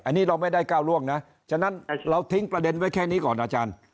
อันนี้เราไม่ได้ก้าวล่วงนะฉะนั้นเราทิ้งประเด็นไว้แค่นี้ก่อนอาจารย์